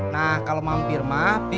nah kalau mampir mah pipih